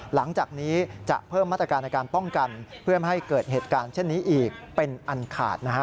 หลังจากนี้จะเพิ่มมาตรการในการป้องกันเพื่อไม่ให้เกิดเหตุการณ์เช่นนี้อีกเป็นอันขาดนะฮะ